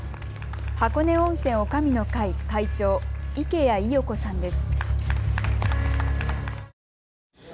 箱根温泉おかみの会、会長、池谷伊代子さんです。